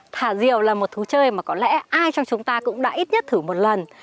thả diều là một thú chơi mà có lẽ ai trong chúng ta cũng đã ít nhất thử một lần